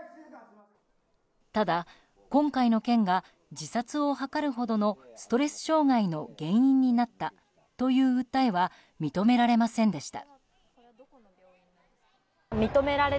ただ、今回の件が自殺を図るほどのストレス障害の原因になったという訴えは認められませんでした。